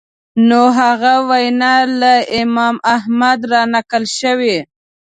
نو هغه وینا له امام احمد رانقل شوې